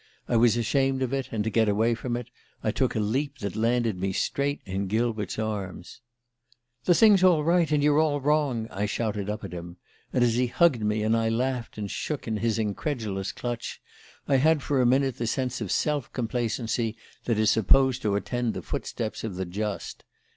I was ashamed of it, and to get away from it I took a leap that landed me straight in Gilbert's arms. "'The thing's all right, and you're all wrong!' I shouted up at him; and as he hugged me, and I laughed and shook in his incredulous clutch, I had for a minute the sense of self complacency that is supposed to attend the footsteps of the just.